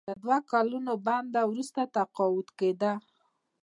د دوه کلونو بند وروسته تقاعد کیدل.